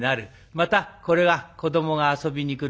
またこれは子どもが遊びに来る。